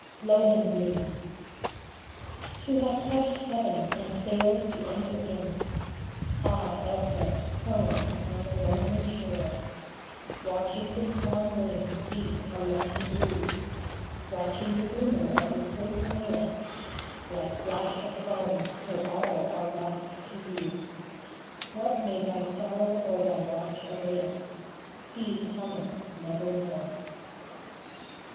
LOHENGRIN. 17 LOHENGRIN. O have touched Heaven and failed to enter in ! Ah, Elsa, prone upon the lonely shore, Watching the swan wings beat along the blue, Watching the glimmer of the silver mail, Like flash of foam, till all are lost to view, What may thy sorrow or thy watch avail? He cometh nevermore.